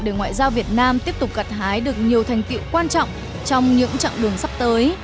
để ngoại giao việt nam tiếp tục gặt hái được nhiều thành tiệu quan trọng trong những chặng đường sắp tới